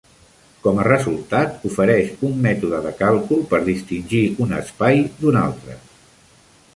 Com a resultat, ofereix un mètode de càlcul per distingir un espai d'un altre.